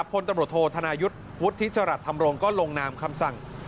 ปนตนธนายุทธ์วุฒิติศรัตธ์ทำลง